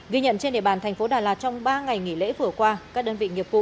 ghi nhận trên địa bàn thành phố đà lạt trong ba ngày nghỉ lễ vừa qua các đơn vị nghiệp vụ